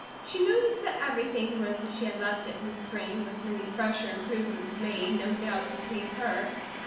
She noticed that everything was as she had left it in the spring, with many fresher improvements, made, no doubt, to please her.